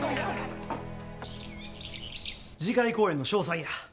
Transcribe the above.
次回公演の詳細や。